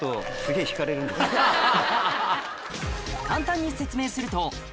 簡単に説明するとはい。